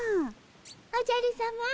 おじゃるさま。